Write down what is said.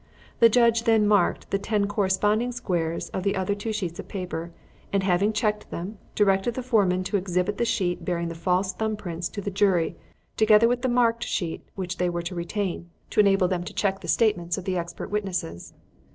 The judge then marked the ten corresponding squares of the other two sheets of paper, and having checked them, directed the foreman to exhibit the sheet bearing the false thumb prints to the jury, together with the marked sheet which they were to retain, to enable them to check the statements of the expert witnesses.